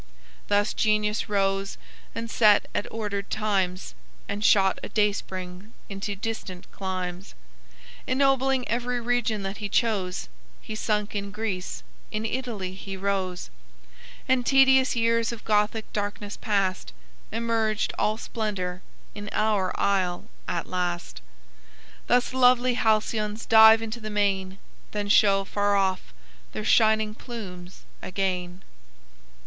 Thus genius rose and set at ordered times, And shot a dayspring into distant climes, Ennobling every region that he chose; He sunk in Greece, in Italy he rose, And, tedious years of Gothic darkness past, Emerged all splendor in our isle at last. Thus lovely Halcyons dive into the main, Then show far off their shining plumes again."